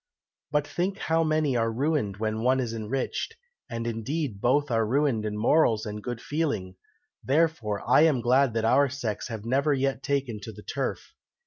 "But think how many are ruined when one is enriched, and indeed both are ruined in morals and good feeling; therefore I am glad that our sex have never yet taken to the turf.